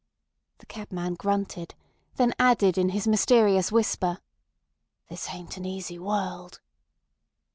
The cabman grunted, then added in his mysterious whisper: "This ain't an easy world."